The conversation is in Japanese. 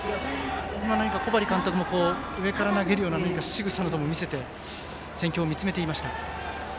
今、小針監督も上から投げるようなしぐさなども見せて戦況を見つめていました。